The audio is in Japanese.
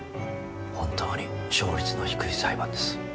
本当に勝率の低い裁判です。